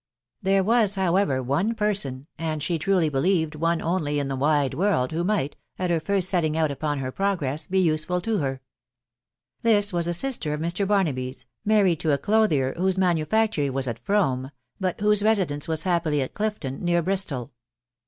There was, however, one person, and she truly believed one only in the wide world, who might, at her first setting out upon her progress, be useful to her. This was a sister of Mr. BarnabyV, married to a clothier, whose manufactory was at Frome, but whose residence was happily at Clifton, near Bristol.